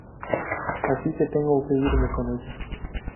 Así que tengo que irme con ella.